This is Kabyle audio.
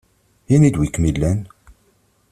Ini-d wi kem-ilan!